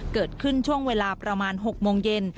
เกิดขึ้นช่วงเวลาประมาณหกโมงเย็น